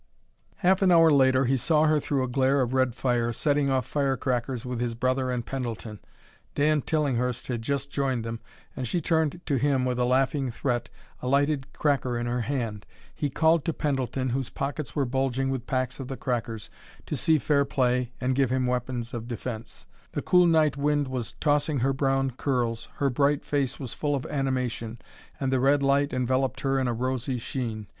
Half an hour later he saw her, through a glare of red fire, setting off fire crackers with his brother and Pendleton. Dan Tillinghurst had just joined them, and she turned to him with a laughing threat, a lighted cracker in her hand. He called to Pendleton, whose pockets were bulging with packs of the crackers, to see fair play and give him weapons of defence. The cool night wind was tossing her brown curls, her bright face was full of animation, and the red light enveloped her in a rosy sheen.